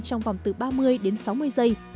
trong vòng từ ba mươi đến sáu mươi giây